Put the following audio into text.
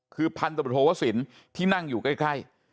คือพันธุ์สินทร์ที่นั่งอยู่ใกล้